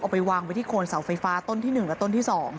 ไปวางไว้ที่โคนเสาไฟฟ้าต้นที่๑และต้นที่๒